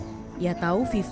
tidak ada yang bisa diperlukan